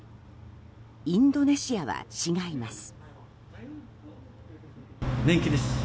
インドネシアは違います。